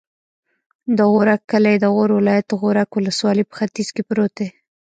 د غورک کلی د غور ولایت، غورک ولسوالي په ختیځ کې پروت دی.